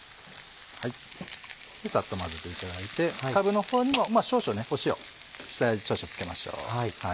サッと混ぜていただいてかぶの方にも塩少々下味付けましょう。